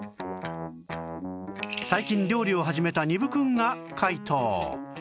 最近料理を始めた丹生くんが解答